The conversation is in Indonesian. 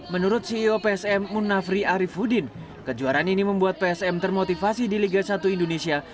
menurut ceo psm munafri arifudin kejuaraan ini membuat psm termotivasi di liga satu indonesia